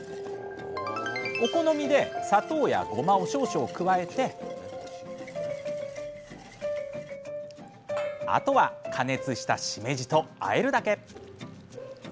お好みで砂糖やごまを少々加えてあとは加熱したしめじとあえるだけ！